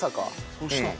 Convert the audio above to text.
そうしたの？